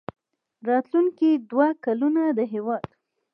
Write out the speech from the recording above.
راتلونکي دوه کلونه د هېواد